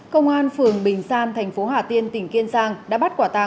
công an phường bình san thành phố hà tiên tỉnh kiên giang đã bắt quả tàng